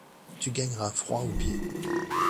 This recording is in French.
Tu gagneras froid aux pieds.